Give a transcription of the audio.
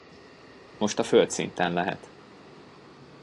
Most a földszinten lehet.